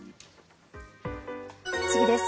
次です。